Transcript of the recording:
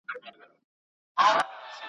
له سړیو ساه ختلې ژوندي مړي پکښي ګرځي `